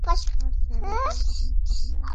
আমার ছেলের ব্যাপারে আপনি কী জানেন?